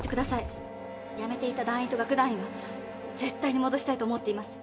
やめていった団員と楽団員は絶対に戻したいと思っています。